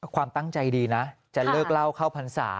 ความตั้งใจดีนะจะเลิกเล่าเข้าพรรษา